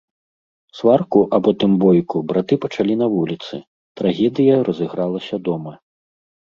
Сварку, а потым бойку браты пачалі на вуліцы, трагедыя разыгралася дома.